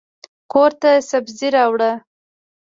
کورته سبزي راوړه.